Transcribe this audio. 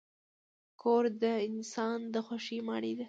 کور د انسان د خوښۍ ماڼۍ ده.